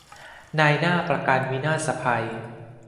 นายหน้าประกันวินาศภัย